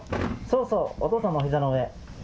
そうそう、お父さんのおひざの上。